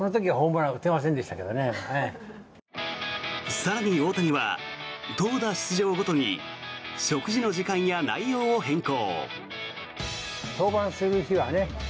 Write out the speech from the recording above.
更に大谷は投打出場ごとに食事の時間や内容を変更。